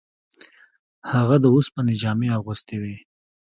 هغه د اوسپنې جامې اغوستې وې.